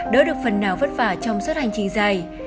đỡ được phần nào vất vả trong suốt hành trình dài